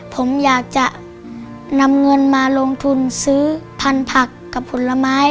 ผมอยากจะนำเงินมาลงทุนซื้อพันธุ์ผักกับผลไม้